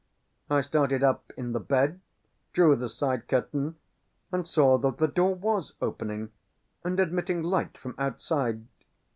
I started up in the bed, drew the side curtain, and saw that the door was opening, and admitting light from outside.